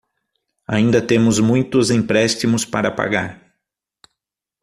Ainda temos muitos empréstimos para pagar.